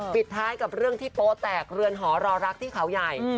ปิดท้ายกับเรื่องที่โป๊แตกเรือนหอรอรักที่เขาใหญ่